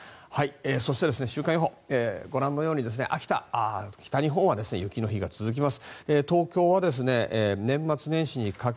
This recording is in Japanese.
そして週間予報ご覧のように秋田、北日本は雪の日が続きます。